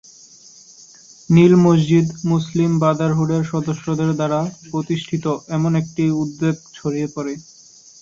নীল মসজিদ মুসলিম ব্রাদারহুডের সদস্যদের দ্বারা প্রতিষ্ঠিত এমন একটি উদ্বেগ ছড়িয়ে পড়ে।